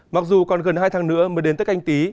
mặc dù còn gần hai tháng nữa mới đến tết canh tí